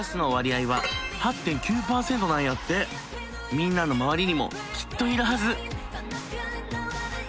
みんなの周りにもきっといるはず。